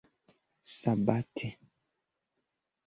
sabate